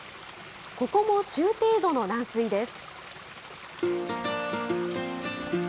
ここも中程度の軟水です。